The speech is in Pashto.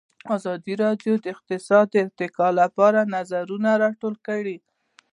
ازادي راډیو د اقتصاد د ارتقا لپاره نظرونه راټول کړي.